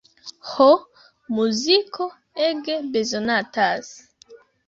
Ho, muziko ege bezonatas.